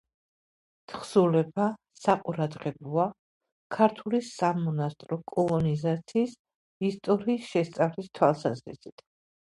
თხზულება საყურადღებოა ქართული სამონასტრო კოლონიზაციის ისტორიის შესწავლის თვალსაზრისით.